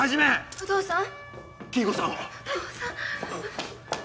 お父さん。